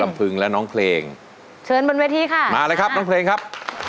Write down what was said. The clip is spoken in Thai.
มาเลยครับน้องเพลงครับ